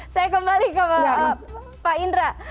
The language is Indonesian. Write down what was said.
saya kembali ke pak indra